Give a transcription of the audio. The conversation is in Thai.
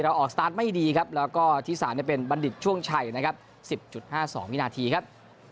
ออกสตาร์ทไม่ดีครับแล้วก็ที่๓เป็นบัณฑิตช่วงชัยนะครับ๑๐๕๒วินาทีครับ